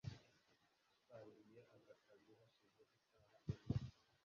Watangiye aka kazi hashize isaha imwe.